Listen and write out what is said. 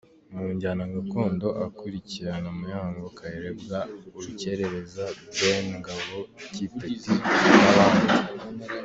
Mu njyana gakondo akurikirana Muyango, Kayirebwa, Urukerereza, Ben Ngabo Kipeti n’abandi.